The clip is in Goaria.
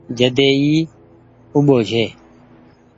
جڏي اي اوٻو ڇي۔